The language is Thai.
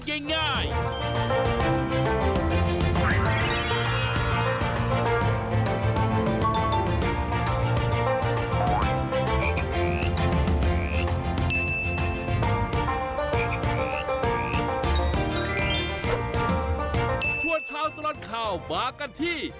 ช่วงเช้าตลอดข่าวมากันที่